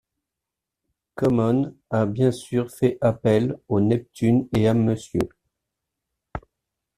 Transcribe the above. Common a bien sûr fait appel aux Neptunes et à Mr.